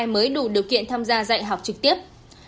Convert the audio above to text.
mới đủ điều kiện tham gia dạy học trực tiếp